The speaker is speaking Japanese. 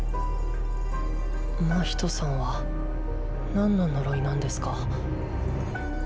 真人さんはなんの呪いなんですか？